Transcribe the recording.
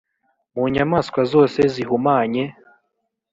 mu nyamaswa zose zihumanye